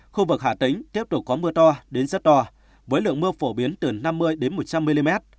khu vực hà tĩnh tiếp tục có mưa to đến rất to với lượng mưa phổ biến từ năm mươi đến một trăm linh mm